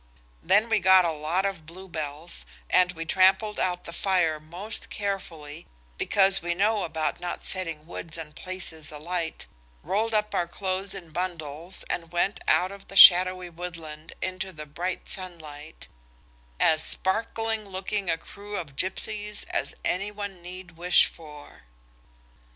Then we got a lot of bluebells and we trampled out the fire most carefully, because we know about not setting woods and places alight, rolled up our clothes in bundles, and went out of the shadowy woodland into the bright sunlight, as sparkling looking a crew of gipsies as any one need wish for.